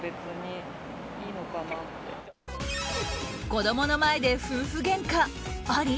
子供の前で夫婦げんかあり？